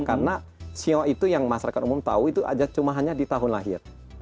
karena siu itu yang masyarakat umum tahu itu hanya di tahun lahir